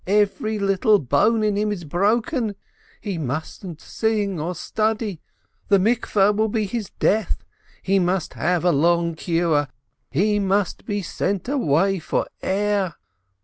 Every little bone in him is broken. He mustn't sing or study — the bath will be his death — he must have a long cure — he must be sent away for air.